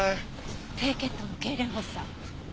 低血糖のけいれん発作。